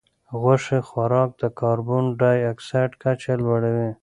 غوښې خوراک د کاربن ډای اکسایډ کچه لوړوي.